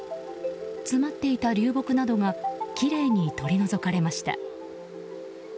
詰まっていた流木などがきれいに取り除かれました。